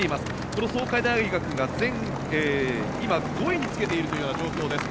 この創価大学が今、５位につけているという状況です。